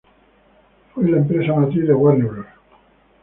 Fue la empresa matriz de Warner Bros.